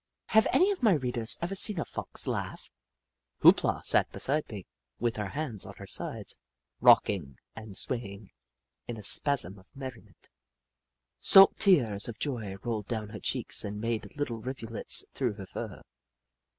Have any of my readers ever seen a Fox laugh ? Hoop La sat beside me, with her hands on her sides, rocking and swaying in a spasm of merriment. Salt tears of joy rolled down her cheeks and made little rivulets through her fur.